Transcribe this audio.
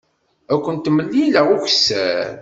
Ad kent-mlileɣ ukessar.